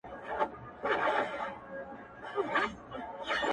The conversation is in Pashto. په دې لوبه کي موږ نه یو دا سطرنج دی د خانانو!